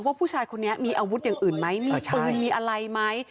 ว่าผู้ชายคนนี้มีอาวุธอย่างอื่นไหมมีปืนมีอะไรไหม